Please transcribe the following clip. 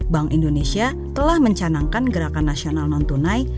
bank indonesia telah mencanangkan gerakan nasional non tunai